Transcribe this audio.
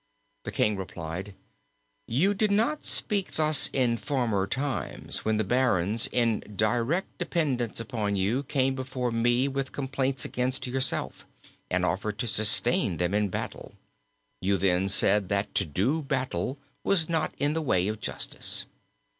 The king replied, 'You did not speak thus in former times when the barons in direct dependence upon you came before me with complaints against yourself, and offered to sustain them in battle. You then said that to do battle was not in the way of justice.'